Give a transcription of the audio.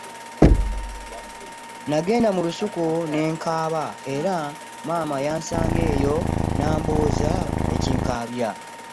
Nagenda mu lusuku ne nkaaba era maama yansanga eyo n’ambuuza ekinkaabya.